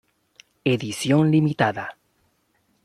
Edición limitada.